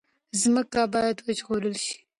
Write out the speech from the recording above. ځمکه باید وژغورل شي.